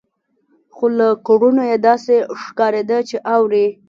خو له کړنو يې داسې ښکارېده چې اوري.